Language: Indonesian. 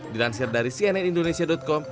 dilansir dari cnn indonesia com